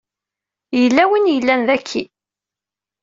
Yella win i yellan daki.